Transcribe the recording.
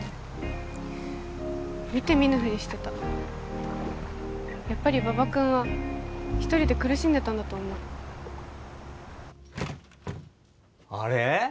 見て見ぬふりしてたやっぱり馬場君は１人で苦しんでたんだと思うあれ？